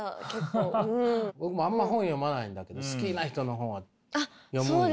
僕もあんま本読まないんだけど好きな人の本は読むんよ。